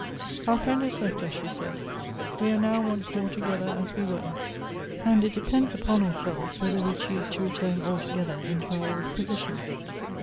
" Our friend has left us," she said ;" we are now once more together as we were — and it depends upon ourselves whether we choose to return altogether into our old posi tion."